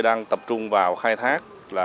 đang tập trung vào khai thác